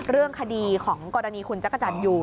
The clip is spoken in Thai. เรื่องคดีของกรณีคุณจักรจันทร์อยู่